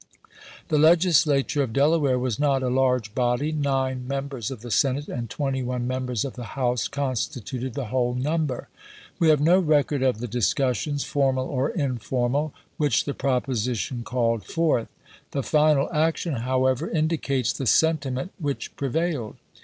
The Legislature of Delaware was not a large body ; nine members of the Senate and twenty one members of the House constituted the whole number. We have no record of the discussions, formal or informal, which the •J08 ABRAHAM LINCOLN ciiAP. XII. propositiou called forth. The final action, how ever, indicates the sentiment which prevailed.